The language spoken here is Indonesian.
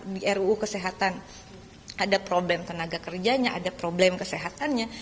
di ruu kesehatan ada problem tenaga kerjanya ada problem kesehatannya